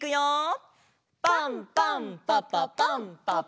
パンパンパパパンパパパパン！